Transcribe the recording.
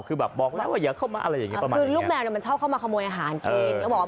คือแบบบอกแล้วว่าอย่าเข้ามาอะไรอย่างเงี้ประมาณคือลูกแมวเนี่ยมันชอบเข้ามาขโมยอาหารกินก็บอกว่า